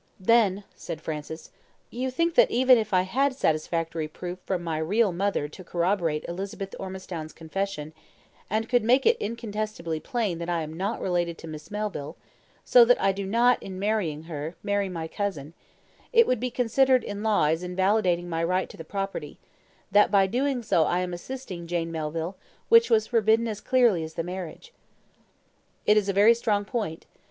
"Then," said Francis, "you think that even if I had satisfactory proof from my real mother to corroborate Elizabeth Ormistown's confession, and could make it incontestably plain that I am not related to Miss Melville, so that I do not, in marrying her, marry my cousin, it would be considered in law as invalidating my right to the property that by doing so I am assisting Jane Melville, which was forbidden as clearly as the marriage." "It is a very strong point.